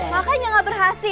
makanya gak berhasil